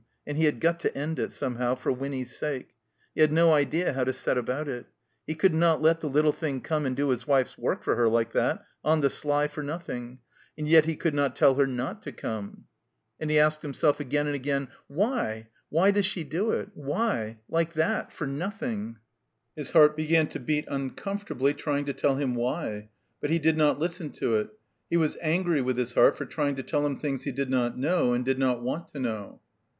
And he had got to end it, somehow, for Winny's sake. He had no idea how to set about it. He could not let the little thing come and do his wife's work for her, like that, on the sly, for nothing. And yet he could not teU her not to come. 209 THE COMBINED MAZE And he asked himself again and again, ''Why, \vfiy does she do it? Why? Like that — ^for nothing?" His heart began to beat uncomfortably, tr3dng to tell him why. But he did not listen to it. He was angry with his heart for trying to tell him things he did not know and did not want to know.